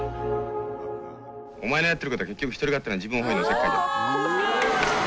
お前のやってる事は結局ひとり勝手な自分本位のおせっかいだ。